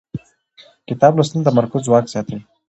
کتاب لوستل د تمرکز ځواک زیاتوي